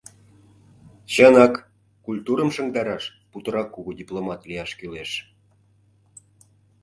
Чынак, культурым шыҥдараш путырак кугу дипломат лияш кӱлеш.